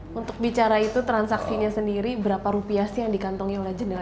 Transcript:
nah untuk bicara itu transaksinya sendiri berapa rupiah sih yang dikantongin oleh jendela tiga ratus enam puluh